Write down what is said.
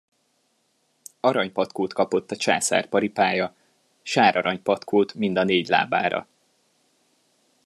Aranypatkót kapott a császár paripája; sárarany patkót mind a négy lábára.